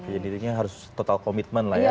jadi harus total komitmen lah ya